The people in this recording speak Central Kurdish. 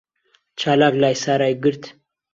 چالاک لای سارای گرت.